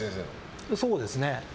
そうですね。